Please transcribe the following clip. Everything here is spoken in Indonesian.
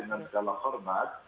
dengan segala hormat